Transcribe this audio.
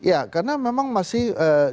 ya karena memang masih